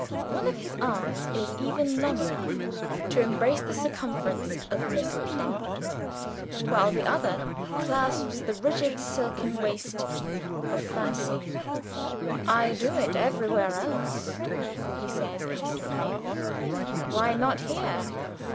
One of his arms is even long enough to embrace the circumference of Miss Plym while the other clasps the rigid silken waist of Francine. "I do it everywhere else," he says innocently, "why not here?"